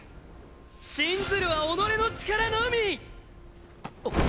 信ずるは己の力のみ！っ！